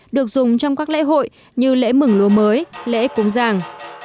được dùng trong các lễ hội như lễ mừng lúa mới lễ cung giang